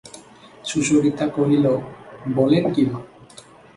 সুচরিতা কহিল, বলেন কী মা?